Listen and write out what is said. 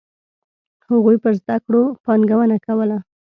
هغوی پر زده کړو پانګونه کوله.